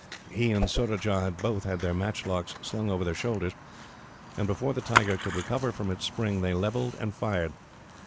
He and Surajah had both had their matchlocks slung over their shoulders, and before the tiger could recover from its spring, they levelled and fired.